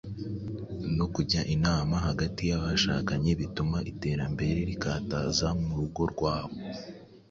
no kujya inama hagati y’abashakanye bituma iterambere rikataza mu rugo rwabo.